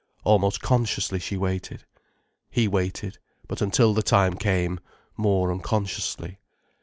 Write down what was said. Almost consciously, she waited. He waited, but, until the time came, more unconsciously.